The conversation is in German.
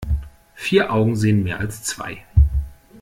Vier Augen sehen mehr als zwei.